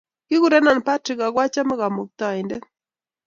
Kikurenon Patrik ako achame kamuktaindet